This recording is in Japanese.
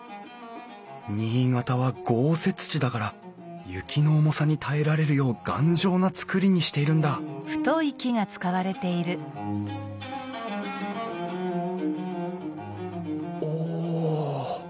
新潟は豪雪地だから雪の重さに耐えられるよう頑丈な造りにしているんだおお。